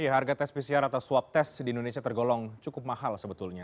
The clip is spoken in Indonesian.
harga tes pcr atau swab test di indonesia tergolong cukup mahal sebetulnya